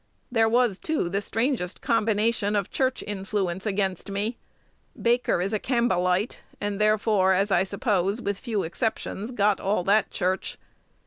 There was, too, the strangest combination of church influence against me. Baker is a Campbellite; and therefore, as I suppose, with few exceptions, got all that church.